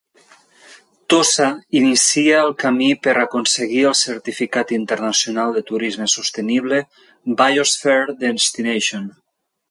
Tossa inicia el camí per aconseguir el certificat internacional de turisme sostenible 'Biosphere Destination'